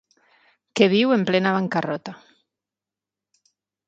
Que viu en plena bancarrota.